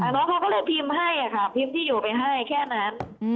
น้องเขาก็เลยพิมพ์ให้ค่ะพิมพ์ที่อยู่ไปให้แค่นั้น